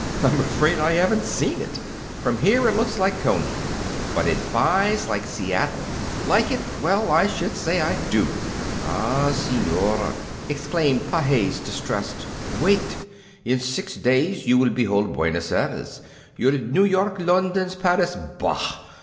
I'm afraid I haven't seen it. From here it looks like Coney. But it buys like Seattle. Like it! Well, I should say I do!" "Ah, senora," exclaimed Pages, distressed, "wait! In six days you will behold Buenos Aires. Your New York, Londres, Paris bah!